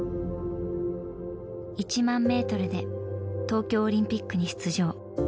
１万ｍで東京オリンピックに出場。